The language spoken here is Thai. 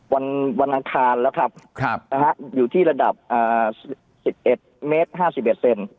วันวันอังคารแล้วครับครับนะฮะอยู่ที่ระดับอ่าสิบเอ็ดเมตรห้าสิบเอ็ดเซ็น